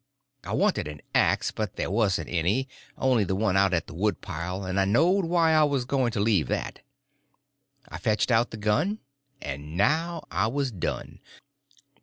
I wanted an axe, but there wasn't any, only the one out at the woodpile, and I knowed why I was going to leave that. I fetched out the gun, and now I was done.